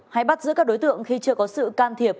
hay bắt giữ các đối tượng khi chưa có sự can thiệp